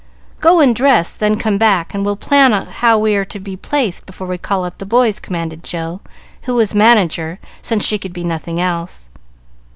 "Go and dress, then come back, and we'll plan how we are to be placed before we call up the boys," commanded Jill, who was manager, since she could be nothing else.